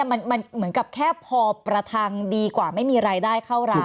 มันเหมือนกับแค่พอประทังดีกว่าไม่มีรายได้เข้าร้าน